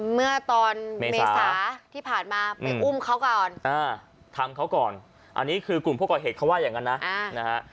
เมื่อตอนเมษาที่ผ่านมาไปอุ้มเขาก่อนทำเขาก่อนอันนี้คือกลุ่มผู้ก่อเหตุเขาว่าอย่างนั้นนะนะฮะ